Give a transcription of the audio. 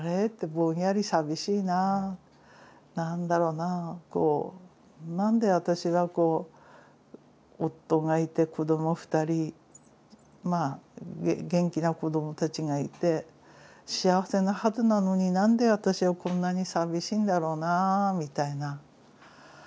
ぼんやり寂しいな何だろうなこう何で私がこう夫がいて子ども２人元気な子どもたちがいて幸せなはずなのに何で私はこんなに寂しいんだろうなみたいな。